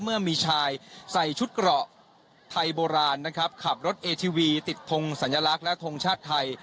เมื่อมีชายใส่ชุดเกราะไทยโบราณนะครับขับรถเอทีวีติดทงสัญลักษณ์และทงชาติไทย